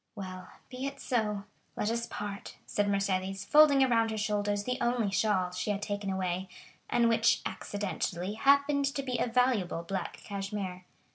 "Well, be it so—let us part," said Mercédès, folding around her shoulders the only shawl she had taken away, and which accidentally happened to be a valuable black cashmere.